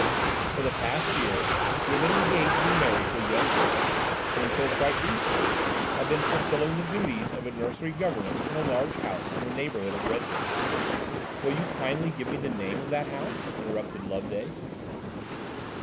For the past year he had been engaged to be married to a young girl, who, until quite recently had been fulfilling the duties of a nursery governess in a large house in the neighbourhood of Redhill. "Will you kindly give me the name of that house?" interrupted Loveday.